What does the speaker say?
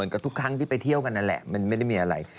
กับทุกครั้งที่ไปเที่ยวกันนั่นแหละมันไม่ได้มีอะไร